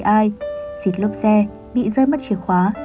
cô ấy đã nói dịch lốp xe bị rơi mất chìa khóa